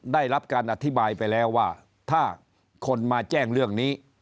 ได้รับการอธิบายไปแล้วว่าถ้าคนมาแจ้งเรื่องนี้